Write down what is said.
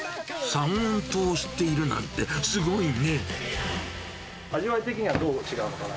三温糖を知っているなんて、味わい的にはどう違うのかな？